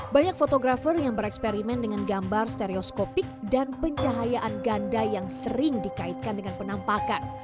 banyak fotografer yang bereksperimen dengan gambar stereoskopik dan pencahayaan ganda yang sering dikaitkan dengan penampakan